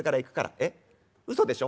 『えっうそでしょ？